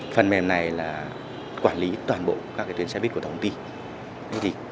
phần mềm này là quản lý toàn bộ các tuyến xe bít của thông tin